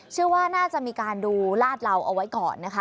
เชื่อว่าน่าจะมีการดูลาดเหลาเอาไว้ก่อนนะคะ